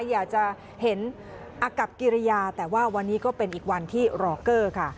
อยากจะเห็นอากับกิริยาแต่ว่าวันนี้ก็เป็นอีกวันที่รอเกอร์ค่ะ